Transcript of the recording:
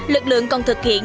lực lượng còn thực hiện